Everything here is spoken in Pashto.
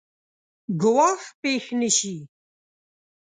ګواښ پېښ نه شي.